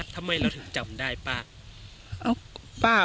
ทำไมเราถึงจำได้ป้า